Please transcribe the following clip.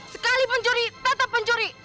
sekali pencuri tetap pencuri